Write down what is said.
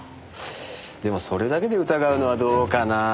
でもそれだけで疑うのはどうかなぁ？